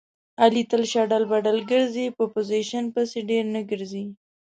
علي تل شډل بډل ګرځي. په پوزیشن پسې ډېر نه ګرځي.